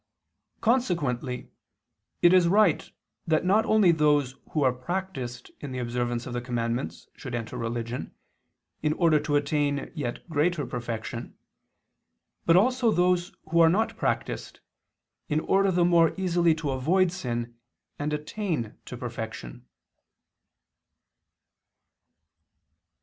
Consequently it is right that not only those who are practiced in the observance of the commandments should enter religion in order to attain to yet greater perfection, but also those who are not practiced, in order the more easily to avoid sin and attain to perfection.